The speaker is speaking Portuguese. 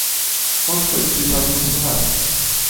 Onde foi depositado meu salário?